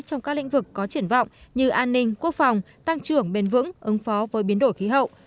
trong các lĩnh vực có triển vọng như an ninh quốc phòng tăng trưởng bền vững ứng phó với biến đổi khí hậu